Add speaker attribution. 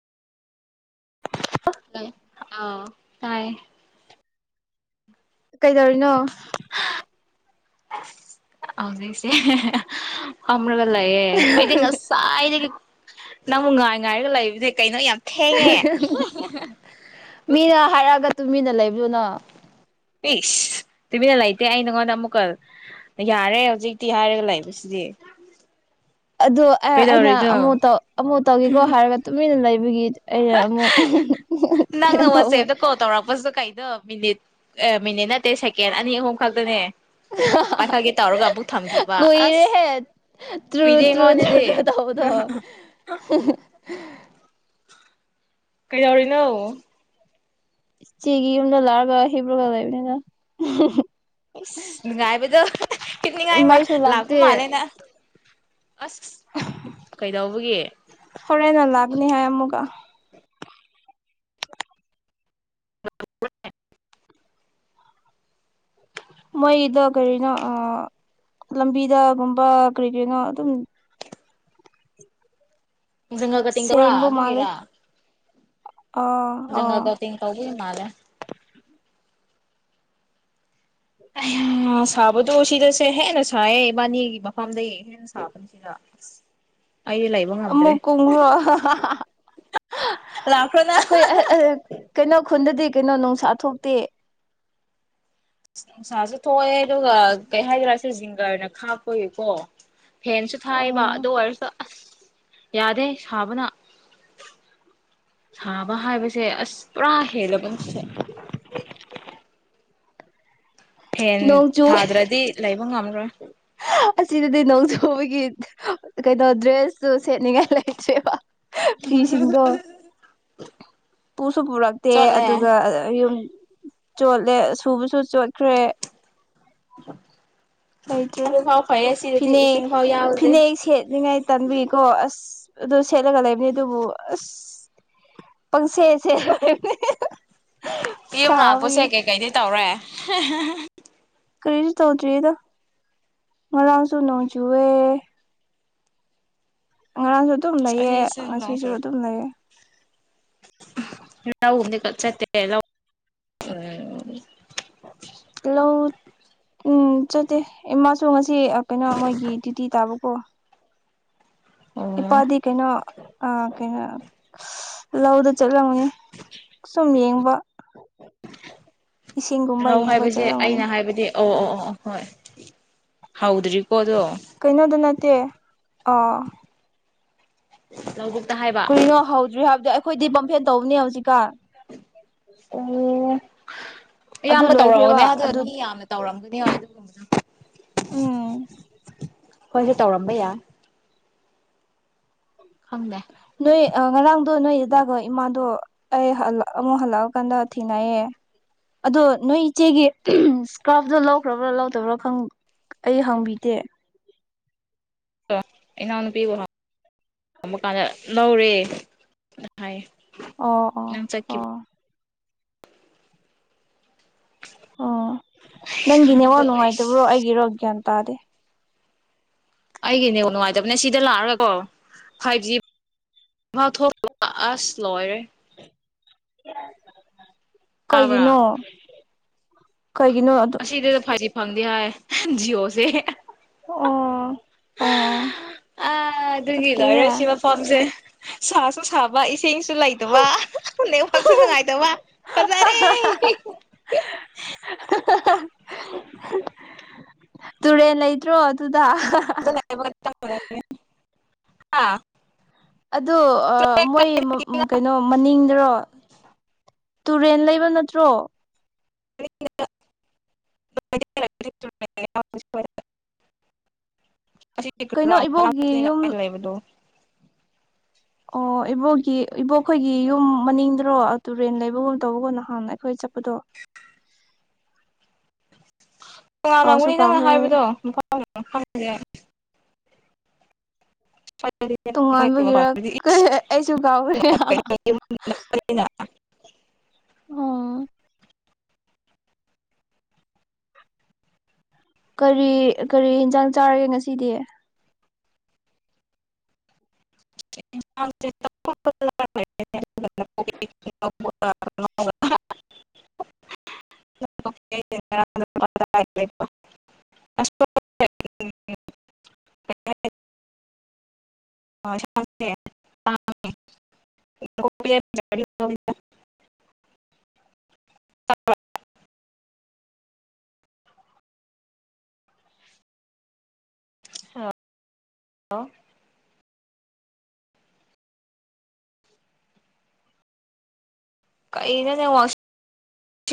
Speaker 1: hello ꯑꯥꯎ ꯇꯥꯏꯌꯦ
Speaker 2: ꯀꯩꯗꯧꯔꯤꯅꯣ
Speaker 1: ꯍꯧꯖꯤꯛꯁꯦ ꯐꯝ ꯔꯒ ꯂꯩꯑꯦ ꯑꯩꯗꯤ ꯉꯁꯥꯏꯗꯒꯤ ꯅꯪꯕꯨ ꯉꯥꯏ ꯉꯥꯏꯔꯒ ꯂꯩꯕꯗꯤ ꯀꯩꯅꯣ ꯌꯥꯝ ꯊꯦꯡꯉꯦ
Speaker 2: ꯃꯤꯅ ꯍꯥꯏꯔꯛꯑꯒ ꯇꯨꯃꯤꯟꯅ ꯂꯩꯕꯗꯨ ꯅꯪ
Speaker 1: ꯏꯁ ꯇꯨꯃꯤꯟꯅ ꯂꯩꯇꯦ ꯑꯩ ꯅꯪꯉꯣꯟꯗ ꯑꯃꯨꯛꯀ ꯌꯥꯔꯦ ꯍꯧꯖꯤꯛꯇꯤ ꯍꯥꯏꯔꯒ ꯂꯩꯕꯁꯤꯗꯤ
Speaker 2: ꯑꯗꯨ ꯑꯦ ꯑꯩꯅ
Speaker 1: ꯀꯩꯗꯧꯔꯤꯅꯣ
Speaker 2: ꯑꯃꯨꯛ ꯇꯧ ꯑꯃꯨꯛ ꯇꯧꯒꯦꯀꯣ ꯍꯥꯏꯔꯒ ꯇꯨꯃꯤꯟ ꯂꯩꯕꯒꯤ ꯑꯩꯅ ꯑꯃꯨꯛ ꯎꯝ ꯍꯨ ꯍꯨ ꯎꯝ ꯍꯨ ꯍꯨ
Speaker 1: ꯅꯪꯅ
Speaker 2: ꯀꯩꯅꯣ ꯇꯧꯕ
Speaker 1: ꯋꯥꯆꯦꯞꯇ ꯀꯣꯜ ꯇꯧꯔꯛꯄꯁꯤꯗ ꯀꯩꯅꯣ ꯃꯤꯅꯤꯠ ꯑꯦ ꯃꯤꯅꯤꯠ ꯅꯠꯇꯦ ꯁꯦꯀꯦꯟ ꯑꯅꯤ ꯑꯍꯨꯝ ꯈꯛꯇꯅꯦ ꯄꯥꯏꯈꯠꯀꯦ ꯇꯧꯔꯒ ꯑꯃꯨꯛ ꯊꯝꯈꯤꯕ ꯑꯁ
Speaker 2: ꯀꯨꯏꯔꯦꯍꯦ ꯇ꯭ꯔꯨ
Speaker 1: ꯀꯨꯏꯗꯦ
Speaker 2: ꯇ꯭ꯔꯨ ꯇ꯭ꯔꯨ
Speaker 1: ꯑꯩꯉꯣꯟꯗꯗꯤ
Speaker 2: ꯇ꯭ꯔꯨ ꯇꯧꯕꯗꯣ ꯍꯦ ꯍꯦ
Speaker 1: ꯀꯩꯗꯧꯔꯤꯅꯣ
Speaker 2: ꯆꯤꯒꯤ ꯌꯨꯝꯗ ꯂꯥꯛꯒ ꯍꯤꯞꯔꯒꯥ ꯂꯩꯕꯅꯤꯅ
Speaker 1: ꯢꯁ ꯅꯨꯉꯥꯏꯕꯗꯣ ꯍꯥ ꯍꯥ ꯍꯤꯞꯅꯤꯉꯥꯏ ꯃꯥ
Speaker 2: ꯃꯩꯁꯨ
Speaker 1: ꯂꯥꯛꯄ
Speaker 2: ꯂꯥꯛꯇꯦ
Speaker 1: ꯃꯥꯂꯦ ꯅꯪ ꯑꯁ ꯀꯩꯗꯧꯕꯒꯤ
Speaker 2: ꯐꯔꯦꯟꯅ ꯂꯒꯅꯤ ꯍꯥꯏ ꯑꯃꯨꯀ ꯃꯣꯏꯗꯣ ꯀꯔꯤꯅꯣ ꯑꯥ ꯂꯝꯕꯤꯗꯒꯨꯝꯕ ꯀ꯭ꯔꯤ ꯀ꯭ꯔꯤꯅꯣ ꯑꯗꯨꯝ
Speaker 1: ꯖꯪꯒꯜ ꯀꯠꯇꯤꯡ ꯇꯧꯕ꯭ꯔ
Speaker 2: ꯁꯦꯡꯕ ꯃꯥꯜꯂꯦ
Speaker 1: ꯑꯗꯨꯒꯤꯔꯥ
Speaker 2: ꯑꯥ ꯑꯥ
Speaker 1: ꯪꯖꯪꯒꯜ ꯀꯠꯇꯤꯡ ꯇꯧꯕꯒꯤ ꯃꯟꯂꯦ
Speaker 2: [inaudible]
Speaker 1: ꯑꯥ ꯁꯥꯕꯗꯣ ꯁꯤꯗꯁꯦ ꯍꯦꯟꯅ ꯁꯥꯏꯌꯦ ꯏꯕꯥꯅꯤꯒꯤ ꯃꯐꯝꯗꯒꯤ ꯍꯦꯟꯅ ꯁꯥꯕꯅꯦ ꯁꯤꯗ ꯑꯩꯗꯤ ꯂꯩꯕ ꯉꯝꯗ꯭ꯔꯦ
Speaker 2: ꯑꯃꯨꯛ ꯀꯣꯡꯔꯣ ꯍꯥꯍꯥ
Speaker 1: ꯂꯥꯛꯈ꯭ꯔꯣ ꯅꯪ
Speaker 2: ꯑꯩꯈꯣꯏ ꯑꯥ ꯑꯥ ꯀꯩꯅꯣ ꯈꯨꯟꯗꯗꯤ ꯀꯩꯅꯣ ꯅꯨꯡꯁꯥ ꯊꯣꯛꯇꯦ
Speaker 1: ꯅꯨꯡꯁꯥꯁꯨ ꯊꯣꯛꯑꯦ ꯑꯗꯨꯒ ꯀꯩ ꯍꯥꯏꯗꯣꯏꯔꯥ ꯁꯦ ꯖꯤꯡꯒꯔꯅ ꯈꯥꯛꯄꯒꯤꯀꯣ ꯐꯦꯟꯁꯨ ꯊꯥꯏꯕ
Speaker 2: ꯑꯣ
Speaker 1: ꯑꯗꯨ ꯑꯣꯏꯔꯁꯨ ꯑꯁ ꯌꯥꯗꯦ ꯁꯥꯕꯅ ꯁꯥꯕ ꯍꯥꯏꯕꯁꯦ ꯑꯁ ꯄꯨꯔꯥ ꯍꯦꯜꯂꯕꯅꯤ ꯁꯦ ꯍꯦꯟ
Speaker 2: ꯅꯣꯡ ꯆꯨ
Speaker 1: ꯊꯥꯗ꯭ꯔꯥꯗꯤ ꯂꯩꯕ ꯉꯝꯔꯣꯢ
Speaker 2: ꯑꯁꯤꯗꯗꯤ ꯅꯣꯡꯆꯨꯕꯒꯤ ꯀꯩꯅꯣ ꯗ꯭ꯔꯦꯁꯇꯨ ꯁꯦꯠꯅꯤꯡꯉꯥꯏ ꯂꯩꯇ꯭ꯔꯦꯕ ꯐꯤꯁꯤꯡꯗꯣ ꯄꯨꯁꯨ ꯄꯨꯔꯛꯇꯦ
Speaker 1: ꯆꯣꯠꯂꯦ
Speaker 2: ꯑꯗꯨꯒ ꯌꯨꯝ ꯆꯣꯠꯂꯦ ꯁꯨꯕꯁꯨ ꯆꯣꯠꯈ꯭ꯔꯦ ꯂꯩꯇ꯭ꯔꯦ
Speaker 1: ꯑꯗꯨꯐꯥꯎ ꯐꯩꯌꯦ ꯁꯤꯗꯗꯤ
Speaker 2: ꯐꯤꯅꯦ
Speaker 1: ꯏꯁꯤꯡ ꯐꯥꯎ ꯌꯥꯎꯗꯦ
Speaker 2: ꯐꯤꯅꯦꯛ ꯁꯦꯠꯅꯤꯉꯥꯏ ꯇꯟꯕꯒꯤꯀꯣ ꯑꯁ ꯑꯗꯨ ꯁꯦꯠꯂꯒ ꯂꯩꯕꯅꯦ ꯑꯗꯨꯕꯨ ꯑꯁ ꯄꯪꯁꯦ ꯁꯦꯠꯔ ꯂꯩꯕꯅꯦ ꯍꯦꯍꯦ
Speaker 1: ꯀꯩꯌꯨꯝ ꯂꯥꯛꯄꯁꯦ ꯀꯩꯀꯩꯗꯤ ꯇꯧꯔꯦ ꯍꯦꯍꯦꯍꯦ
Speaker 2: ꯀꯔꯤꯁꯨ ꯇꯧꯗ꯭ꯔꯤꯌꯦꯗ ꯉꯔꯥꯡꯁꯨꯨ ꯅꯣꯡ ꯆꯨꯋꯦ ꯉꯔꯥꯡꯁꯨ ꯑꯗꯨꯝ ꯅꯩꯑꯦ
Speaker 1: ꯑꯁꯤꯁꯦ ꯅꯣꯡꯆꯨ
Speaker 2: ꯉꯥꯁꯤꯁꯨ ꯑꯗꯨꯝ ꯂꯩꯑꯦ
Speaker 1: [unintelligible]
Speaker 2: ꯂꯥꯎꯠ ꯎꯝ ꯆꯠꯇꯦ ꯏꯃꯥꯁꯨ ꯉꯥꯁꯤ ꯀꯩꯅꯣ ꯃꯣꯏꯒꯤ ꯗ꯭ꯌꯨꯇꯤ ꯇꯥꯕꯀꯣ
Speaker 1: ꯑꯣ
Speaker 2: ꯏꯄꯥꯗꯤ ꯀꯩꯅꯣ ꯑ ꯀꯩꯅꯣ ꯂꯧꯗ ꯆꯠꯂꯝꯒꯅꯤ ꯁꯨꯝ ꯌꯦꯡꯕ ꯏꯁꯤꯡꯒꯨꯝꯕ
Speaker 1: ꯔꯧ
Speaker 2: ꯌꯦꯡꯕ
Speaker 1: ꯍꯥꯏꯕꯁꯦ
Speaker 2: ꯆꯠꯔꯝꯒꯅꯤ
Speaker 1: ꯑꯩꯅ ꯍꯥꯏꯕꯗꯤ ꯑꯣ ꯑꯣ ꯑꯣ ꯍꯣꯏ ꯍꯧꯗ꯭ꯔꯤꯀꯣ ꯑꯗꯣ
Speaker 2: ꯀꯩꯅꯣꯗ ꯅꯠꯇꯦ ꯑ
Speaker 1: ꯂꯧꯕꯨꯛ
Speaker 2: ꯀꯨꯔꯤꯅꯣ ꯍꯧꯗ꯭ꯔꯤ ꯍꯥꯏꯕꯗꯨ ꯑꯩꯈꯣꯏꯗꯤ ꯕꯐꯦꯟ ꯇꯧꯕꯅꯦ ꯍꯧꯖꯤꯛꯀꯟ
Speaker 1: ꯑꯣ
Speaker 2: ꯑꯗꯨ
Speaker 1: ꯑꯌꯥꯝꯕ ꯇꯧꯔꯛꯑꯣꯅꯦ
Speaker 2: ꯂꯣꯏꯈ꯭ꯔꯦꯕ
Speaker 1: ꯑꯗꯨ ꯃꯤ ꯌꯥꯝꯅ ꯇꯧꯔꯝꯒꯅꯤ ꯍꯣꯏ ꯑꯗꯨꯒꯨꯝꯕꯗꯣ
Speaker 2: ꯎꯨꯝ
Speaker 1: ꯍꯣꯏꯁꯨ ꯇꯧꯔꯝꯕ ꯌꯥꯏ ꯈꯪꯗꯦ
Speaker 2: ꯅꯣꯏ ꯑ ꯉꯔꯥꯡꯗꯣ ꯅꯣꯏ ꯗꯥꯒꯣ ꯏꯃꯥꯗꯣ ꯑꯩ ꯍꯜꯂꯛ ꯑꯃꯨꯛ ꯍꯜꯂꯛꯑꯀꯥꯟꯗ ꯊꯦꯡꯅꯩꯌꯦ ꯑꯗꯣ ꯅꯣꯏ ꯏꯆꯦꯒꯤ ꯏꯁꯀ꯭ꯔꯥꯞꯇꯣ ꯂꯧꯈ꯭ꯔꯥꯕ꯭ꯔꯥ ꯂꯧꯗꯕ꯭ꯔꯥ ꯈꯪ ꯑꯩ ꯍꯪꯕꯤꯗꯦ
Speaker 1: ꯑꯦ ꯏꯅꯥꯎꯅꯨꯄꯤꯕꯨ ꯍꯪꯕ ꯀꯥꯟꯗ ꯂꯧꯔꯦ ꯍꯥꯏꯌꯦ
Speaker 2: ꯑꯣ ꯑꯣ ꯑꯣ ꯑꯣ ꯅꯪꯒꯤ ꯅꯦꯋꯥꯛ
Speaker 1: ꯑꯗꯣ
Speaker 2: ꯅꯨꯡꯉꯥꯏꯇꯕ꯭ꯔꯣ
Speaker 1: ꯑꯩꯒꯤ
Speaker 2: ꯑꯩꯒꯤꯔꯣ ꯒꯌꯥꯟ ꯇꯥꯗꯦ
Speaker 1: ꯑꯩꯒꯤ ꯅꯦꯋꯥꯛ ꯅꯨꯡꯉꯥꯏꯇꯕꯅꯦ ꯁꯤꯗ ꯂꯥꯛꯑꯒꯀꯣ ꯐꯥꯏꯚ ꯖꯤ ꯃꯥ ꯊꯣꯛ ꯑꯁ ꯂꯣꯏꯔꯦ ꯇꯥꯕ꯭ꯔꯥ
Speaker 2: ꯀꯩꯒꯤꯅꯣ ꯀꯩꯒꯤꯅꯣ ꯑꯗꯨ
Speaker 1: ꯑꯁꯤꯗ ꯐꯥꯢꯚꯖꯤ ꯐꯪꯗꯦ ꯍꯥꯏ ꯖꯤꯌꯣꯁꯦ ꯍꯥꯍꯥ
Speaker 2: ꯑꯣ ꯑꯣ
Speaker 1: ꯑ ꯑꯗꯨꯒꯤ ꯂꯣꯏꯔꯦ
Speaker 2: ꯐꯠꯇꯦꯍꯦ
Speaker 1: ꯁꯤ ꯃꯐꯝꯖꯦ ꯁꯥꯁꯨꯁꯥꯕ ꯏꯁ ꯁꯤꯡꯁꯨ ꯂꯩꯇꯕ ꯅꯦꯠꯋꯥꯔꯛꯁꯨ ꯅꯨꯡꯉꯥꯏꯇꯕ ꯐꯖꯔꯦ ꯍꯥꯍꯥ
Speaker 2: ꯍꯥꯍꯥꯍꯥ ꯇꯨꯔꯦꯟ ꯂꯩꯇ꯭ꯔꯣ ꯑꯗꯨ
Speaker 1: [unintelligible]
Speaker 2: ꯑꯗꯣ ꯑ ꯃꯣꯏ ꯑ ꯀꯩꯅꯣ ꯃꯅꯤꯡ ꯔꯣ ꯇꯨꯔꯦꯟ ꯂꯩꯕ ꯅꯠꯇ꯭ꯔꯣ
Speaker 1: [unintelligible]
Speaker 2: [unintelligible] [inaudible] ꯀꯩꯅꯣ ꯏꯕꯣꯛꯒꯤ ꯌꯨꯝ
Speaker 1: [unintelligible] [inaudible] ꯂꯩꯕꯗꯣ
Speaker 2: ꯑꯣ ꯏꯕꯣꯛꯀꯤ ꯏꯕꯣꯛꯈꯣꯏꯒꯤ ꯌꯨꯝ ꯃꯅꯤꯡꯗ꯭ꯔꯣ ꯇꯨꯔꯦꯟ ꯂꯩꯕꯒꯨꯝ ꯇꯧꯕꯒꯣ ꯅꯍꯥꯟ ꯑꯩꯈꯣꯏ ꯆꯠ ꯆꯠꯄꯗꯣ ꯀꯥꯎꯁꯨ
Speaker 1: ꯇꯣꯉꯥꯟꯅꯂꯝꯒꯅꯤ ꯅꯪꯅ
Speaker 2: ꯀꯥꯎꯈ꯭ꯔꯦ
Speaker 1: ꯍꯥꯏꯕꯗꯣ ꯃꯄꯥ ꯈꯪꯗꯦ [inaudible]
Speaker 2: ꯇꯣꯉꯥꯟꯕꯒꯤꯔ ꯑꯩꯁꯨ ꯀꯥꯎꯈ꯭ꯔꯦ
Speaker 1: [unintelligible] [unintelligible] [unintelligible]
Speaker 2: ꯑꯣ ꯀꯔꯤ ꯀꯔꯤ ꯍꯦꯟꯖꯥꯡ ꯆꯥꯔꯒꯦ ꯉꯁꯤꯗꯤ
Speaker 1: [unintelligible] [unintelligible] [unintelligible] [unintelligible] [unintelligible]
Speaker 2: [inaudible]
Speaker 1: [unintelligible] ꯍꯜꯂꯣ ꯂꯣ ꯀꯩꯩꯅꯣ ꯅꯦꯠꯋꯥ